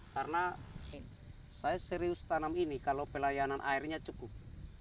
karena saya serius tanam ini kalau pelayanan airnya cukup